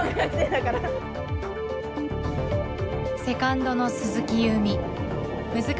セカンドの鈴木夕湖。